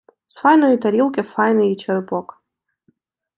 З файної тарілки файний і черепок.